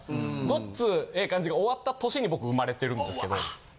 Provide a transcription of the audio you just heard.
『ごっつええ感じ』が終わった年に僕生まれてるんですけど。